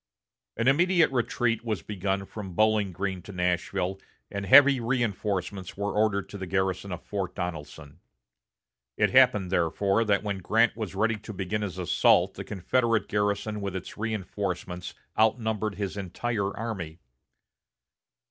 An immediate retreat was begun from Bowling Green to Nashville, and heavy reinforcements were ordered to the garrison of Fort Donelson. It happened, therefore, that when Grant was ready to begin his assault the Confederate garrison with its reinforcements outnumbered his entire army.